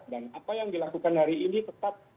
dan apa yang dilakukan hari ini tetap